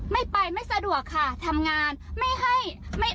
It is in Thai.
ไม่ไปไม่สะดวกค่ะทำงานไม่ให้ไม่